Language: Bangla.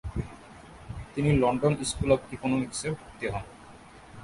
তিনি লন্ডন স্কুল অব ইকোনমিক্সে ভর্তি হন।